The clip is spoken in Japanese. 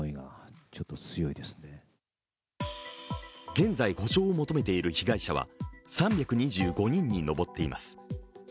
現在、補償を求めている被害者は３２５人に上っています。